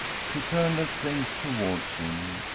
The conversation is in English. She turned her face towards him.